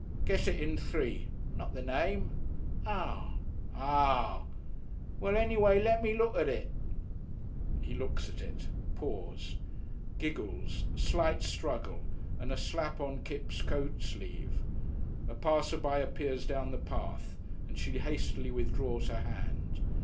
"Guess it in three." "Not the name." "Ah!" "Ah!" "Well, anyhow lemme look at it." He looks at it. Pause. Giggles, slight struggle, and a slap on Kipps' coatsleeve. A passerby appears down the path, and she hastily withdraws her hand.